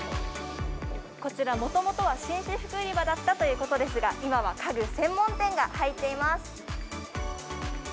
こちらもともとは、紳士服売り場だったということですが、今は家具専門店が入っています。